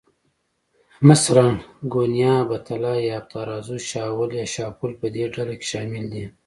مثلاً، ګونیا، بتله یا آبترازو، شاول یا شافول په دې ډله کې شامل دي.